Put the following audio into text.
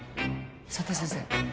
佐田先生